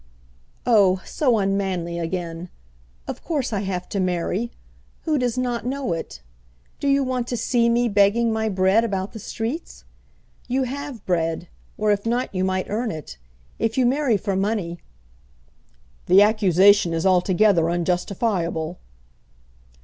"Oh, so unmanly again! Of course I have to marry. Who does not know it? Do you want to see me begging my bread about the streets? You have bread; or if not, you might earn it. If you marry for money " "The accusation is altogether unjustifiable."